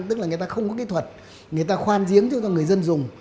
tức là người ta không có kỹ thuật người ta khoan giếng cho người dân dùng